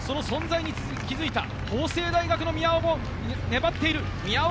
ただ、その存在に気づいた法政大の宮岡も粘っている。